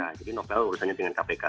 jadi novel urusannya dengan kpk